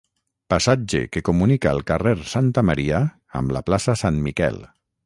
Passatge que comunica el carrer Santa Maria amb la plaça Sant Miquel.